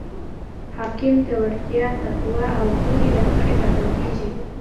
حاکم د وړتیا، تقوا او پوهې له مخې ټاکل کیږي.